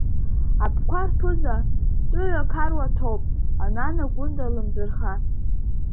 Абқәа рԥыза, тәыҩа қаруа ҭоуп, Анана Гәында лымӡырха.